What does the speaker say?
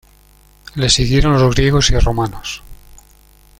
Les siguieron los griegos y romanos.